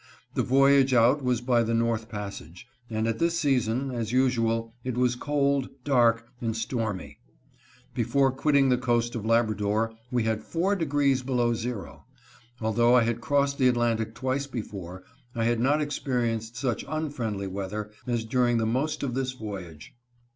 The voyage out was by the north passage, and at this season, as usual, it was cold, dark, and stormy. Before quitting the coast of Labrador we had four degrees below zero. Although I had crossed the Atlantic twice before, CALLED TO EXPLAIN THE HARPER'S FERRY AFFAIR. 393 I had not experienced such unfriendly weather as during the most of this voyage.